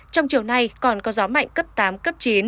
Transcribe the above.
trong chiều nay còn có gió mạnh cấp tám cấp chín